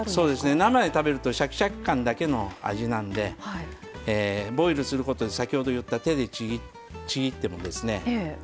生で食べるとシャキシャキ感だけの味なんでボイルすることで先ほど言った手でちぎってもですね